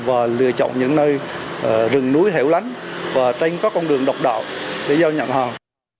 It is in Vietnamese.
và lựa chọn những nơi rừng núi hẻo lánh và trên các con đường độc đạo để giao nhận hoàng